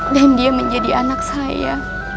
dan dia menjadi anak saya